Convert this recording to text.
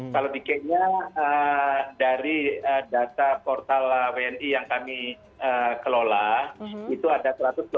kalau di kenya dari data portal wni yang kami kelola itu ada satu ratus dua puluh